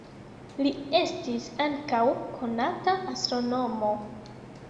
Li estis ankaŭ konata astronomo.